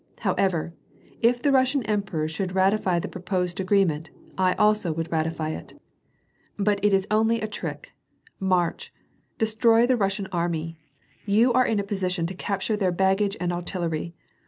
However, if the Russian emperor should ratify the proposed agreement, 1 also would ratify iu But it is only a trick. March ! Destroy the Rus ^i.ln army! You are in a position to capture their haggage and artillery.